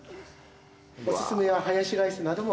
おすすめはハヤシライスなども。